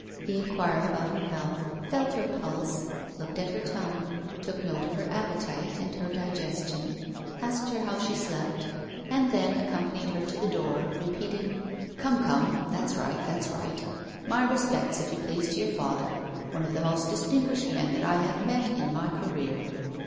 He inquired about her health, felt her pulse, looked at her tongue, took note of her appetite and her digestion, asked her how she slept, and then accompanied her to the door, repeating: "Come, come, that's right, that's right. My respects, if you please, to your father, one of the most distinguished men that I have met in my career."